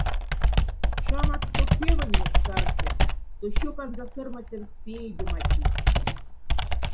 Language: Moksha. Шамац то кевоннекс арсесь, то щёканза срмосевсть пеедемати.